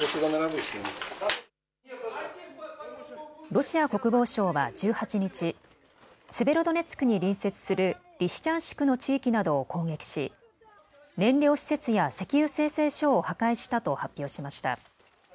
ロシア国防省は１８日、セベロドネツクに隣接するリシチャンシクの地域などを攻撃し燃料施設や石油精製所を破壊したと発表しました。